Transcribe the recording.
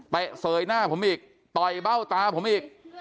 เสยหน้าผมอีกต่อยเบ้าตาผมอีก